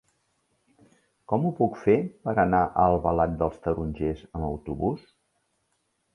Com ho puc fer per anar a Albalat dels Tarongers amb autobús?